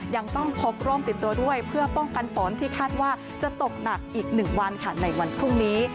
ยังต้องพกร่มติดตัวด้วยเพื่อป้องกันฝนที่คาดว่าจะตกหนักอีก๑วันค่ะในวันพรุ่งนี้